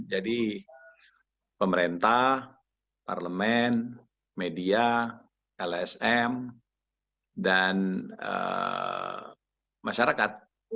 jadi pemerintah parlemen media lsm dan masyarakat